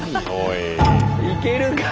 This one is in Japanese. いけるか？